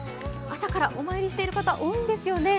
朝からお参りしている方、多いんですよね。